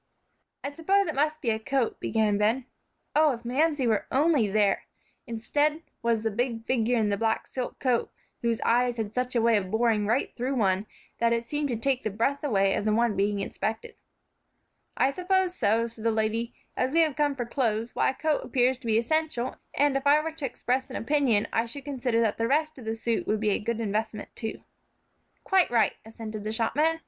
"I suppose it must be a coat," began Ben. Oh, if Mamsie were only there! Instead, was the big figure in the black silk coat, whose eyes had such a way of boring right through one that it seemed to take the breath away of the one being inspected. "I suppose so," said the old lady, "as we have come for clothes; why, a coat appears to be essential, and if I were to express an opinion, I should consider that the rest of the suit would be a good investment, too." "Quite right," assented the shopman.